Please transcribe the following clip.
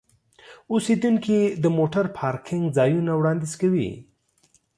اوسیدونکي د موټر پارکینګ ځایونه وړاندیز کوي.